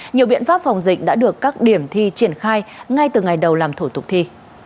nhiều biện pháp phòng dịch đã được các điểm thi triển khai ngay từ ngày đầu làm thủ tục thi